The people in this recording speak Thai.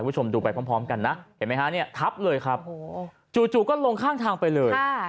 คุณผู้ชมดูไปพร้อมกันนะเห็นไหมฮะเนี่ยทับเลยครับจู่ก็ลงข้างทางไปเลย